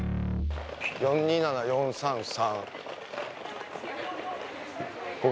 ４２７４３３。